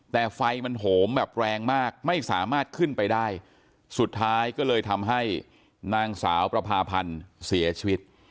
แต่ไฟมันโหมแบบแรงมากไม่สามารถขึ้นไปได้สุดท้ายก็เลยทำให้นางสาวประพาพันธ์เสียชีวิต